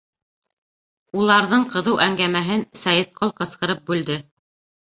...Уларҙың ҡыҙыу әңгәмәһен Сәйетҡол ҡысҡырып бүлде: